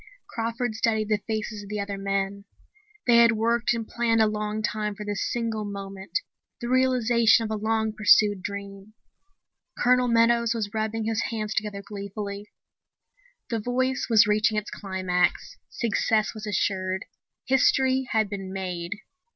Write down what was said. Crawford studied the faces of the other men. They had worked and planned a long time for this single moment, the realization of a long pursued dream. Colonel Meadows was rubbing his hands together gleefully. The voice was reaching its climax. Success was assured. History had been made!